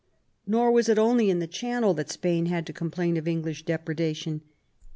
Nor was it only in the Channel that Spain had to complain of English depredation.